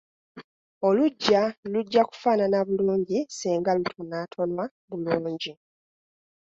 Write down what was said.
Oluggya lujja kufaanana bulungi singa lutonwatonwa bulungi.